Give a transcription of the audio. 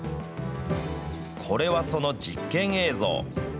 これはその実験映像。